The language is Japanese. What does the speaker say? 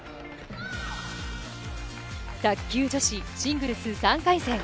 卓球女子シングルス３回戦。